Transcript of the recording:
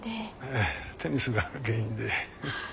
ええテニスが原因で。